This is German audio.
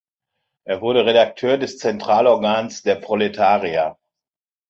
Er wurde Redakteur des Zentralorgans "Der Proletarier".